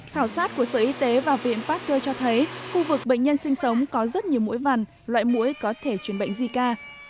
khảo sát của sở y tế và viện patro cho thấy khu vực bệnh nhân sinh sống có rất nhiều mũi vằn loại mũi có thể chuyển bệnh zika